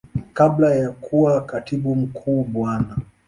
Kabla ya kuwa Katibu Mkuu Bwana.